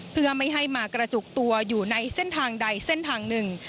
เพื่อไม่ให้มากระจุกตัวอยู่ในเส้นทางใดเส้นทางหนึ่ง